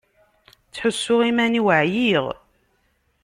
Ttḥussuɣ iman-iw ɛyiɣ.